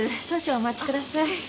少々お待ちください。